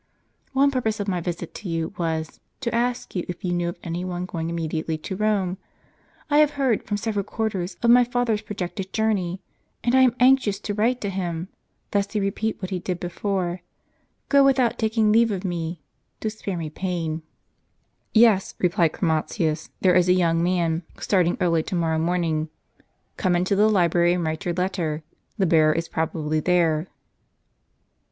One purpose of my visit to you was, to ask you if you knew of any one going immediately to Rome. I have heard, from several quarters, of my father's projected journey, and I am anxious to write to him,* lest he repeat what he did before, — go without taking leave of me, to spare me pain." "Yes," replied Chromatins, "there is a young man start ing early to morrow morning. Come into the library, and write your letter; the bearer is probably there."